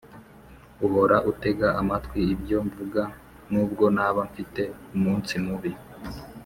uhora utega amatwi ibyo mvuga nubwo naba mfite umunsi mubi.